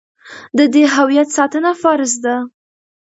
د دې هویت ساتنه فرض ده.